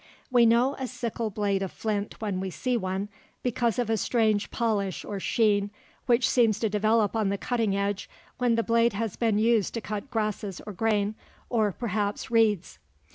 We know a sickle blade of flint when we see one, because of a strange polish or sheen which seems to develop on the cutting edge when the blade has been used to cut grasses or grain, or perhaps reeds.